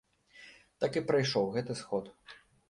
Так і прайшоў гэты сход.